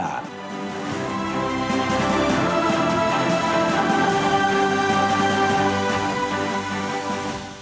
kepada para penerima penghargaan